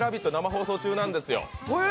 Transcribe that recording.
放送中なんですよ。